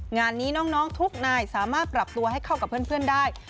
งานนี้น้องทุกนายสามารถปรับตัวให้เข้ากับเพื่อนได้